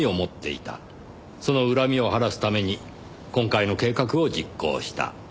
その恨みを晴らすために今回の計画を実行した。